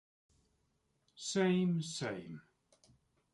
Same same.